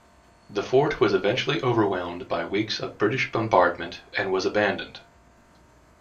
The fort was eventually overwhelmed by weeks of British bombardment and was abandoned.